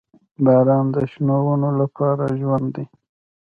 • باران د شنو ونو لپاره ژوند دی.